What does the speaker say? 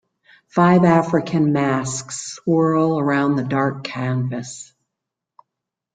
Five African masks swirl around the dark canvas.